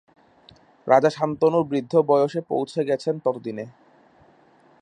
রাজা শান্তনু বৃদ্ধ বয়সে পৌছে গেছেন ততদিনে।